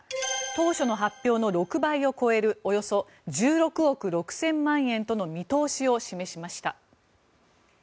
当初の発表の６倍を超えるおよそ１６億６０００万円との見通しを示しました。